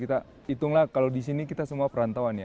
kita hitunglah kalau di sini kita semua perantauan ya